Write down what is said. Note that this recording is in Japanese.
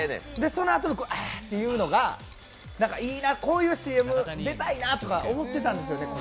そのあとの「あっ」というのがいいな、こういうＣＭ出たいなと思ってたんですよね。